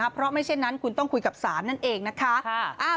เพราะไม่เช่นนั้นคุณต้องคุยกับศาลนั่นเองนะคะ